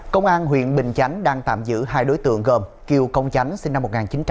công an huyện bình chánh đang tạm giữ hai đối tượng gồm kiều công chánh sinh năm một nghìn chín trăm tám mươi